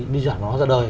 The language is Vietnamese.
di vật cổ vật sửa đổi